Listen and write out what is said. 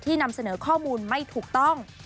นำเสนอข้อมูลไม่ถูกต้อง